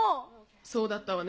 そうだったわね。